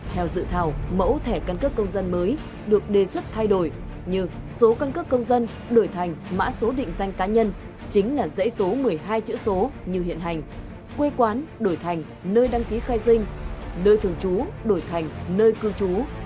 theo dự thảo mẫu thẻ căn cước công dân mới được đề xuất thay đổi như số căn cước công dân đổi thành mã số định danh cá nhân chính là dãy số một mươi hai chữ số như hiện hành quê quán đổi thành nơi đăng ký khai sinh nơi thường trú đổi thành nơi cư trú